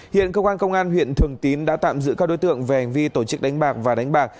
hiện công an công an huyện thường tín đã tạm giữ các đối tượng về hành vi tổ chức đánh bạc và đánh bạc